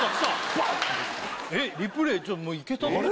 バンッてリプレイちょっともういけたあれ？